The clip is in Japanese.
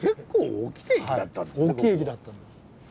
大きい駅だったんです。